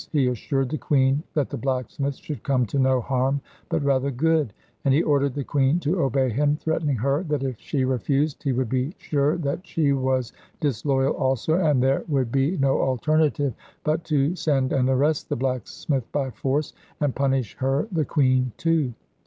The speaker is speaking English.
He assured the queen that the blacksmith should come to no harm, but rather good; and he ordered the queen to obey him, threatening her that if she refused he would be sure that she was disloyal also, and there would be no alternative but to send and arrest the blacksmith by force, and punish her, the queen, too.